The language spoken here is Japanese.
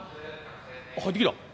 あ入ってきた。